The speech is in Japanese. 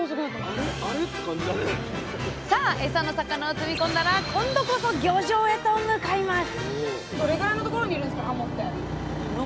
エサの魚を積み込んだら今度こそ漁場へと向かいます！